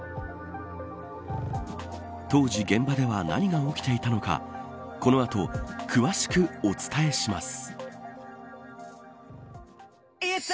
当時、現場では何が起きていたのかこの後、詳しくお伝えします。